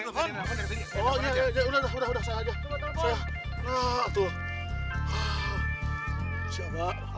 kalimut pak gita